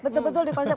betul betul di konsep